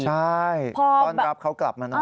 ใช่ต้อนรับเขากลับมาหน่อย